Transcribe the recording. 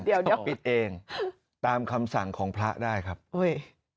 เดี๋ยวเดี๋ยวปิดเองตามคำสั่งของพระได้ครับอุ้ย